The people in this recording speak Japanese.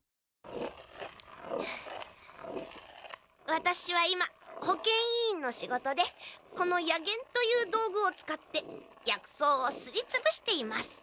ワタシは今保健委員の仕事でこの薬研という道具を使って薬草をすりつぶしています。